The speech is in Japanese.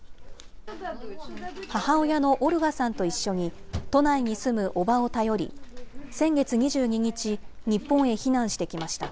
母親のオルガさんと一緒に、都内に住む叔母を頼り、先月２２日、日本へ避難してきました。